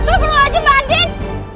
stop berulang aja mbak andin